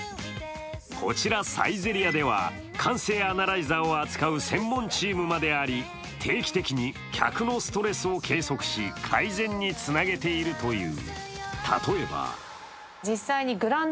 こちらサイゼリヤでは感性アナライザを使う専門チームもあり定期的に客のストレスを計測し、改善につなげているという。